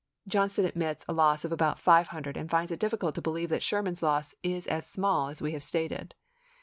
Johnston admits a chap.i. loss of about five hundred and finds it difficult to believe that Sherman's loss is as small as we have stated.